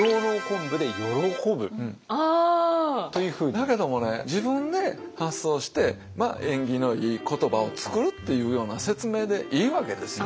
だけどもね自分で発想して縁起のいい言葉を作るっていうような説明でいいわけですよ。